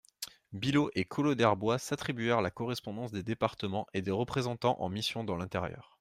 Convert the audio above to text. Billaud et Collot-d'Herbois s'attribuèrent la correspondance des départements et des représentants en mission dans l'intérieur.